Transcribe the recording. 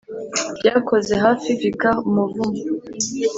byakoze hafi vicar umuvumo